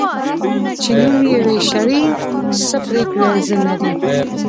چی نوم یی وی شړي ، څه پریکړه ځه نري .